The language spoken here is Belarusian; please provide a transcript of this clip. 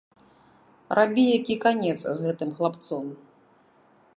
Рабі які канец з гэтым хлапцом.